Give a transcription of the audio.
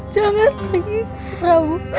jangan pergi mesti prabu